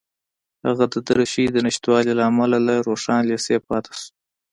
هغه د دریشۍ د نشتوالي له امله له روښان لېسې پاتې شو